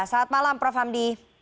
selamat malam prof hamdi